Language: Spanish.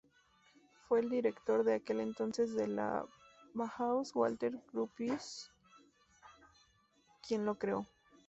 Fue el director de aquel entonces de la Bauhaus, Walter Gropius, quien lo creó.